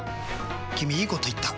君いいこと言った！